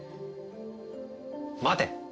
待て！